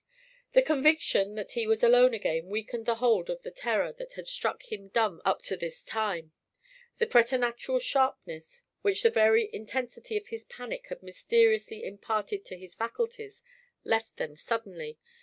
The conviction that he was alone again weakened the hold of the terror that had struck him dumb up to this time. The preternatural sharpness which the very intensity of his panic had mysteriously imparted to his faculties left them suddenly.